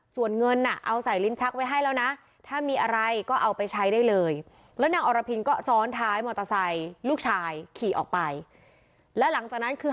ส่วนเงินจะเอาสายริ้นชักไว้ให้นะนางอรพินพูดคนท้ายมอเตอร์ไซด์ลูกชายกลับมาใส่หายทะเล